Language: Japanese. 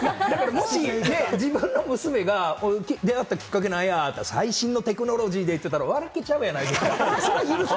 もし自分の娘が出会ったきっかけなんや？って言って、最新のテクノロジーでって言ったら、笑けちゃうじゃないですか。